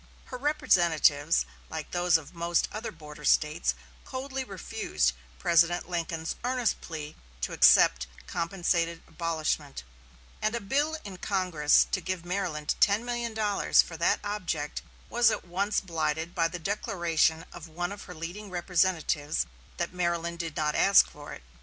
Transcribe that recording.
Her representatives, like those of most other border States, coldly refused President Lincoln's earnest plea to accept compensated abolishment; and a bill in Congress to give Maryland ten million dollars for that object was at once blighted by the declaration of one of her leading representatives that Maryland did not ask for it.